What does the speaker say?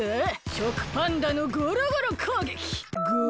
ショクパンダのゴロゴロこうげき！